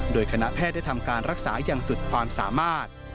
โดยคณะแพทย์ได้ทำการรักษาอย่างสุดความสามารถ